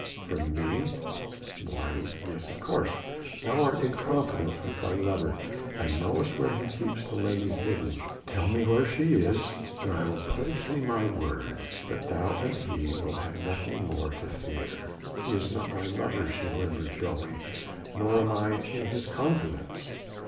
"From me?" "Why yes! of course! Thou art in the confidence of thy lover, and knowest where he keeps the lady hidden. Tell me where she is, and I will pledge thee my word that thou and he will have nothing more to fear." "He is not my lover," she murmured dully, "nor am I in his confidence."